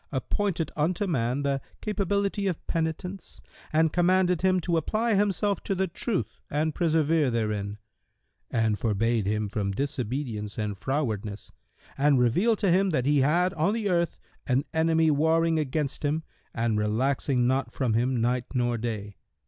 appointed unto man the capability of penitence and commanded him to apply himself to the Truth and persevere therein; and forbade him from disobedience and frowardness and revealed to him that he had on the earth an enemy warring against him and relaxing not from him night nor day.